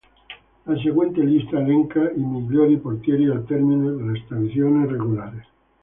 La seguente lista elenca i migliori portieri al termine della stagione regolare.